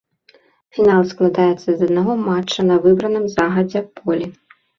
Фінал складаецца з аднаго матча на выбраным загадзя полі.